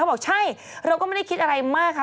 บอกใช่เราก็ไม่ได้คิดอะไรมากค่ะ